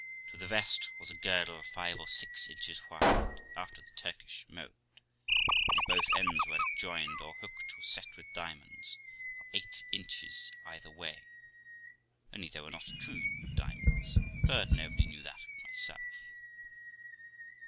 To the vest was a girdle five or six inches wide, after the Turkish mode; and on both ends where it joined, or hooked, was set with diamonds for eight inches either way, only they were not true diamonds, but nobody knew that but myself.